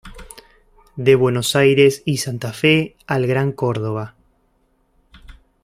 De Buenos Aires y Santa Fe al Gran Córdoba.